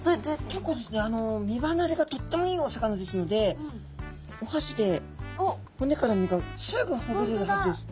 結構ですね身ばなれがとってもいいお魚ですのでおはしで骨から身がすぐほぐれるはずです。